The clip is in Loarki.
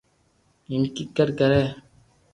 ايم ڪيڪر ڪري